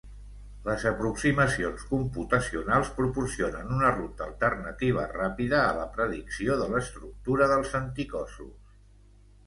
Les aproximacions computacionals proporcionen una ruta alternativa ràpida a la predicció de l'estructura dels anticossos.